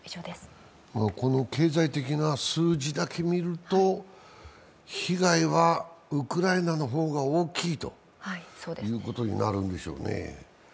この経済的な数字だけ見ると、被害はウクライナの方が大きいということになるんでしょうね。